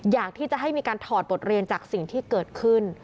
อยากที่จะให้มีการถอดบทเรียนจากสิ่งที่เกิดขึ้น